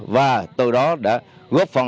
và từ đó đã góp phần